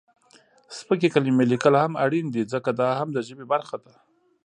سپکې کلمې لیکل هم اړین دي ځکه، دا هم د ژبې برخه ده.